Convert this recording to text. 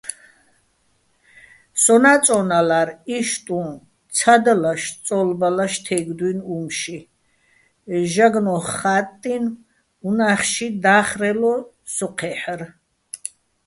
სონა́ წო́ნალარ იშტუჼ ცადლაშ-წო́ლბალაშ თე́გდუჲნი̆ უ̂მში, ჟაგნო́ხ ხა́ტტინო̆ უნა́ხში და́ხრელო სო ჴე́ჰ̦არ.